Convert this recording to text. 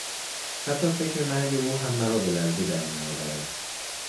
حتی فکر مرگ او هم مرا به لرزه در میآورد.